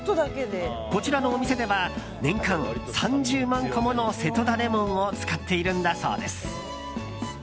こちらのお店では年間３０万個もの瀬戸田レモンを使っているんだそうです。